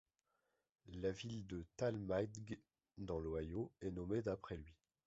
La ville de Tallmadge dans l'Ohio est nommée d'après lui.